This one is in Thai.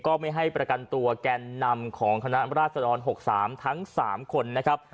ไม่ให้ประกันตัวแกนนำของคณะราชดร๖๓ทั้ง๓คนนะครับ